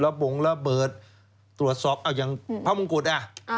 บงระเบิดตรวจสอบเอาอย่างพระมงกุฎอ่ะ